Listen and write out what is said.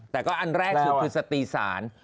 แต่ก็อันแรกคือสตีสาร